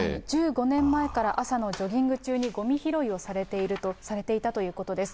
１５年前から朝のジョギング中にごみ拾いをされていたということです。